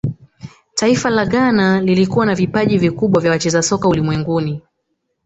taifa la ghana lilikuwa na vipaji vikubwa vya wacheza soka ulimwenguni